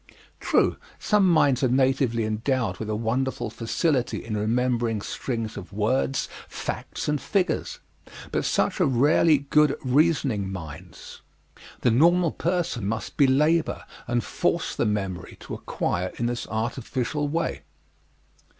True, some minds are natively endowed with a wonderful facility in remembering strings of words, facts, and figures, but such are rarely good reasoning minds; the normal person must belabor and force the memory to acquire in this artificial way.